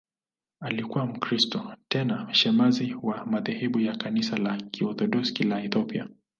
Alikuwa Mkristo, tena shemasi wa madhehebu ya Kanisa la Kiorthodoksi la Ethiopia.